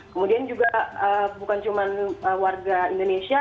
kemudian juga bukan cuma warga indonesia